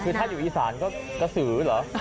คือถ้าอยู่อีสานก็กระสือเหรอ